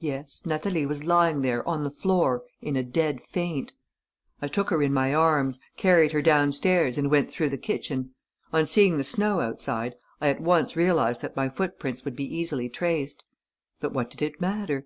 Yes, Natalie was lying there, on the floor, in a dead faint. I took her in my arms, carried her downstairs and went through the kitchen. On seeing the snow outside, I at once realized that my footprints would be easily traced. But what did it matter?